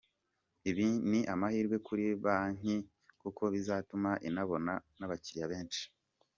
Ibi ni amahirwe kuri banki kuko bizatuma inabona n’abakiliya benshi.